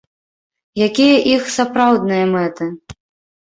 Якія іх сапраўдныя мэты?